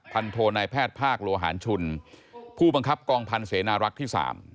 โทนายแพทย์ภาคโลหารชุนผู้บังคับกองพันธ์เสนารักษ์ที่๓